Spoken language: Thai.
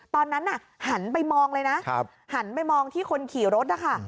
ตอนนั้นน่ะหันไปมองเลยนะหันไปมองที่คนขี่รถนะคะ